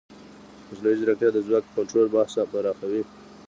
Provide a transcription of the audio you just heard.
مصنوعي ځیرکتیا د ځواک او کنټرول بحث پراخوي.